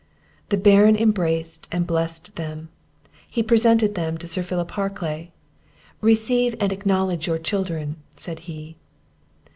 The Baron embraced and blessed them; he presented them to Sir Philip Harclay "Receive and acknowledge your children!" said he.